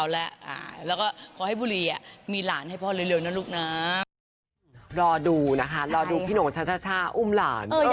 แล้วก็ขอให้บุรีมีหลานให้พ่อเร็วนะลูกนะ